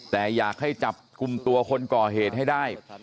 แต่อยากให้จับกลุ่มตัวคนก่อเหตุให้ได้